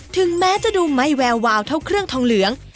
ถึงแม้จะดูไม่แวววาวเท่าเครื่องทองเหลือง